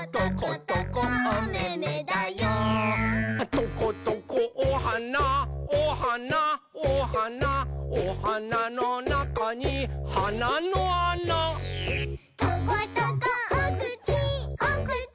「トコトコおはなおはなおはなおはなのなかにはなのあな」「トコトコおくちおくち